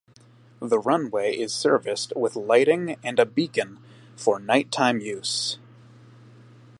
The runway is serviced with lighting and a beacon for night-time use.